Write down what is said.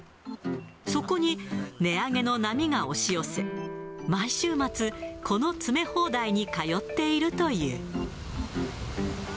そこに値上げの波が押し寄せ、毎週末、この詰め放題に通っているという。